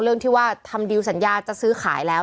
เรื่องที่ว่าทำดิวสัญญาจะซื้อขายแล้ว